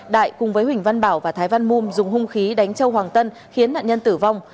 đại cùng với huỳnh văn bảo và thái văn mum dùng hung khí đánh châu hoàng tân khiến nạn nhân tử vong